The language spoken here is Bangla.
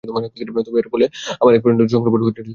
তবে এর ফলে আবার এক প্রচণ্ড সংমিশ্রণও সঙ্ঘটিত হয়েছিল।